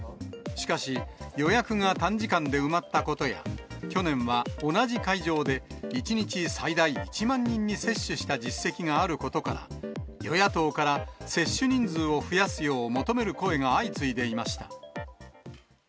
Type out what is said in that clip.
しかし、予約が短時間で埋まったことや、去年は同じ会場で１日最大１万人に接種した実績があることから、与野党から接種人数を増やすよう求める声が相次いでいました。